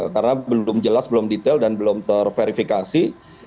karena belum jelas belum detail dan belum terverifikasi